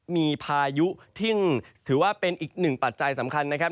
มีพายุที่ถือว่าเป็นอีกหนึ่งปัจจัยสำคัญนะครับ